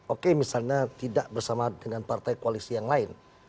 oke misalnya tidak bersama dengan partai koalisi yang lain